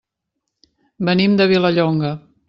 Venim de Vilallonga.